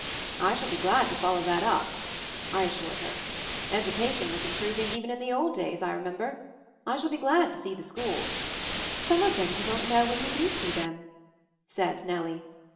"I shall be glad to follow that up," I as sured her. "Education was improving even in the old days, I remember. I shall be glad to see the schools." MOVING THE MOUNTAIN 53 "Some of them you won't know when you do see them," said Nellie.